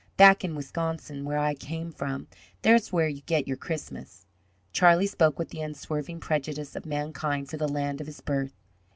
Back in Wisconsin, where I came from, there's where you get your Christmas!" Charlie spoke with the unswerving prejudice of mankind for the land of his birth.